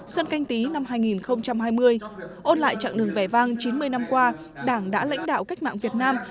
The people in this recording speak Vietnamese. xuân canh tí năm hai nghìn hai mươi ôn lại chặng đường vẻ vang chín mươi năm qua đảng đã lãnh đạo cách mạng việt nam